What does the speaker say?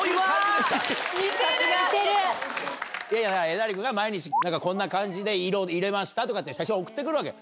えなり君が毎日こんな感じで色入れましたとかって写真を送って来るわけ。